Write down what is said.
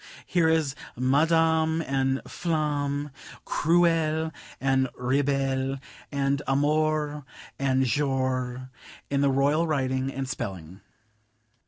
Here is 'Madame' and 'Flamme,' 'Cruelle' and 'Rebelle,' and 'Amour' and 'Jour' in the Royal writing and spelling.